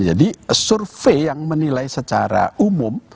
jadi survei yang menilai secara umum